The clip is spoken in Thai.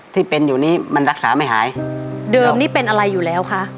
ที่เป็นอยู่นี้มันรักษาไม่หายเดิมนี่เป็นอะไรอยู่แล้วคะ